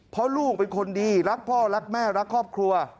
เพราะลูกเป็นคนดีรักพ่อรักแม่รักครอบครัว